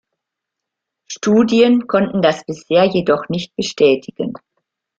Studien konnten das bisher jedoch nicht bestätigen.